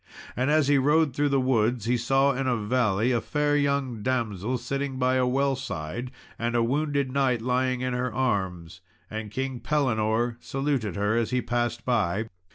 And as he rode through the woods, he saw in a valley a fair young damsel sitting by a well side, and a wounded knight lying in her arms, and King Pellinore saluted her as he passed by.